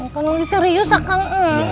kalau serius akang